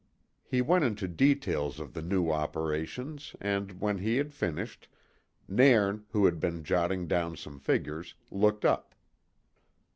He went into details of the new operations and, when he had finished, Nairn, who had been jotting down some figures, looked up.